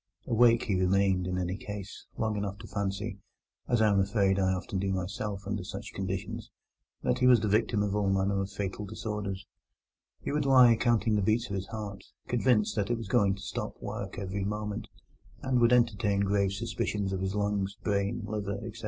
Awake he remained, in any case, long enough to fancy (as I am afraid I often do myself under such conditions) that he was the victim of all manner of fatal disorders: he would lie counting the beats of his heart, convinced that it was going to stop work every moment, and would entertain grave suspicions of his lungs, brain, liver, etc.